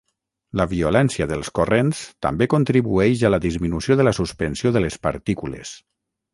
La violència dels corrents també contribueix a la disminució de la suspensió de les partícules.